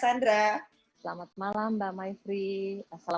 tadi artinya harus mencari kesehatan fisiknya